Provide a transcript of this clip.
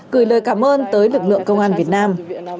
gửi lời cảm ơn tới lực lượng công an việt nam